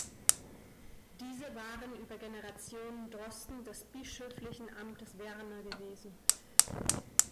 Diese waren über Generationen Drosten des bischöflichen Amtes Werne gewesen.